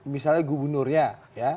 misalnya gubernurnya ya